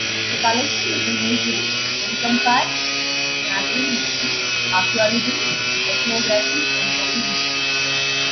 The collections of the museum encompass natural history, archaeology, ethnography and local history.